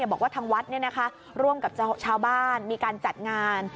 บอกว่าทางวัดร่วมกับชาวบ้านมีการจัดงาน